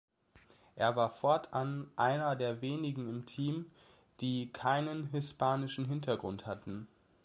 Er war fortan einer der wenigen im Team, die keinen hispanischen Hintergrund hatten.